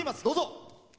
どうぞ。